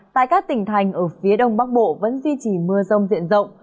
tại các tỉnh thành ở phía đông bắc bộ vẫn duy trì mưa rông diện rộng